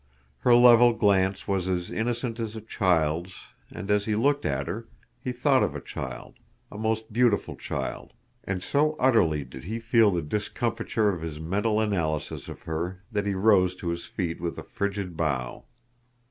Her level glance was as innocent as a child's and as he looked at her, he thought of a child—a most beautiful child—and so utterly did he feel the discomfiture of his mental analysis of her that he rose to his feet with a frigid bow.